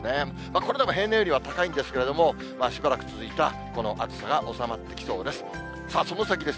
これでも平年よりは高いんですけれども、しばらく続いたこの暑さが収まってきそうです。